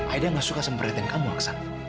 aida gak suka sempat lihatin kamu aksan